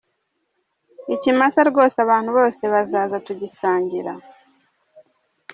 Ikimasa rwose abantu bose bazaza tugisangira.